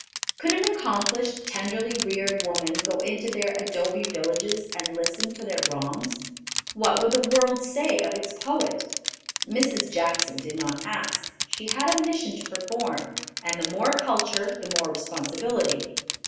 Could an accomplished, tenderly reared woman go into their adobe villages and listen to their wrongs? What would the world say of its poet? Mrs. Jackson did not ask; she had a mission to perform, and the more culture, the more responsibility.